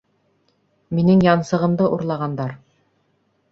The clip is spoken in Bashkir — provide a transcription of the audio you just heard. Минең янсығымды урлағандар